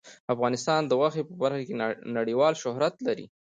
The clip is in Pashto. افغانستان د غوښې په برخه کې نړیوال شهرت لري.